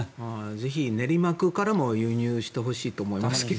ぜひ練馬区からも輸入してほしいと思いますが。